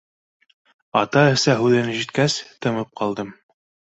Ата-әсә һүҙен ишеткәс, тымып ҡалдым.